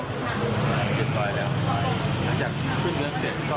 ลืมต่อแล้วถ้าจะขึ้นเวลาเสร็จก็